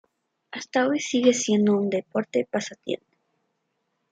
Hasta hoy sigue siendo un deporte pasatiempo.